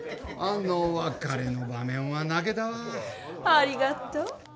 ありがとう。